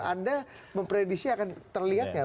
anda memprediksi akan terlihat nggak